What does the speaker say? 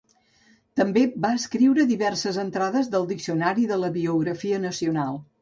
També va escriure diverses entrades del "Diccionari de la Biografia Nacional".